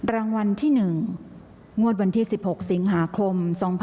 รางวัลที่๑งวดวันที่๑๖สิงหาคม๒๕๖๒